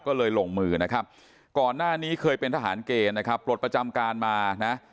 ก็เลยลงมือนะครับก่อนหน้านี้เคยเป็นทหารเกณฑ์นะครับปลดประจำการมานะ